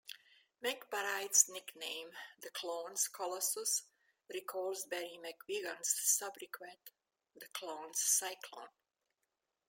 McBride's nickname, "The Clones Colossus", recalls Barry McGuigan's sobriquet "The Clones Cyclone".